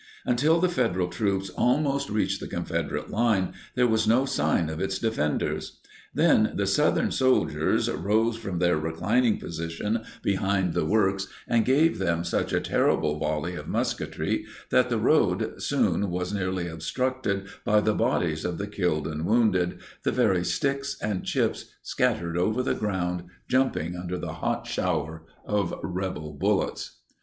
Until the Federal troops almost reached the Confederate line, there was no sign of its defenders. Then the Southern soldiers "rose from their reclining position behind the works, and gave them such a terrible volley of musketry" that the road soon was nearly obstructed by the bodies of the killed and wounded, "the very sticks and chips, scattered over the ground jumping under the hot shower of Rebel bullets."